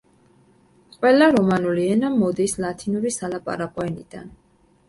ყველა რომანული ენა მოდის ლათინური სალაპარაკო ენიდან.